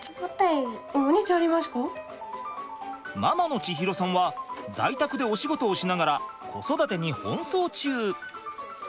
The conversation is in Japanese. ママの千尋さんは在宅でお仕事をしながら子育てに奔走中。